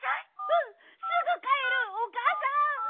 うんすぐかえるおかあさん！